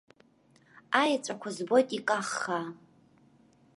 Аеҵәақәа збоит икаххаа.